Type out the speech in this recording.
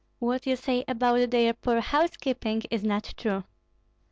What you say about their poor housekeeping is not true.